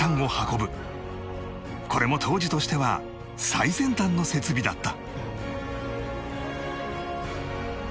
これも当時としては最先端の設備だった